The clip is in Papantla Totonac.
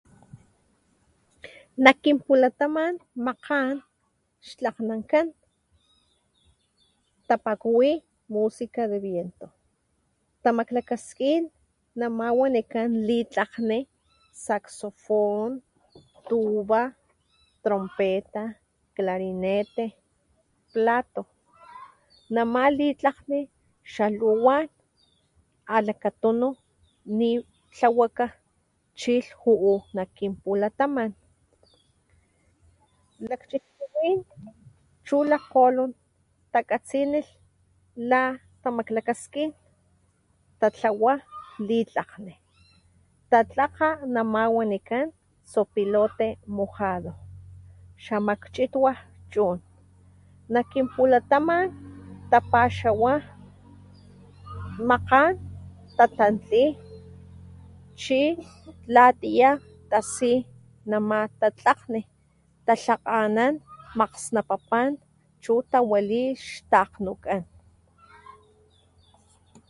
Nak kin pulataman makgan xtlakgnankan, tapakuwi música de viento, tamaklakaskin nawa wanikan litlakgni saxofón, tuba, trompeta, clarinete, plato, nama litlakgní xa luwan. Alakatunu nitlawaka, chilh ju´u nak kin pulataman, lakchixkuwin chulakgolon, takatsinilh lata maklakaskin tlatlawa litlakgni, tatlakga nama wanikan zoilote mojado, xamakchitwa chun, nak kin pulataman tapaxawa, makgan tatantli chi latiya tasi nama tatlakgni, talakganan makgsnapapan chu tawali xtakgnukan.